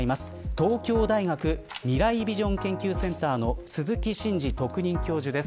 東京大学未来ビジョン研究センターの鈴木真二特任教授です。